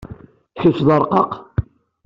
Kecc d arqaq.